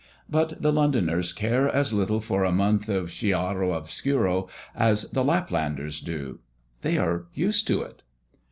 But the Londoners care as little for a month of chiaro oscuro as the Laplanders do. They are used to it.